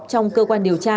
trong cơ quan điều tra